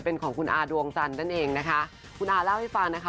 เป็นของคุณอาดวงจันทร์นั่นเองนะคะคุณอาเล่าให้ฟังนะคะ